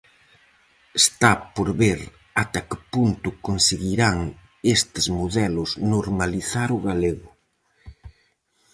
Está por ver ata que punto conseguirán estes modelos normalizar o galego.